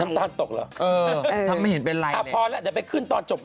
น้ำตาลตกเหรอถ้าพอแล้วเดี๋ยวไปขึ้นตอนจบรายการเออทำไมเห็นเป็นไร